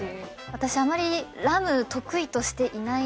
私あまりラム得意としていないので。